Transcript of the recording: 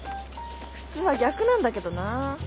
普通は逆なんだけどな。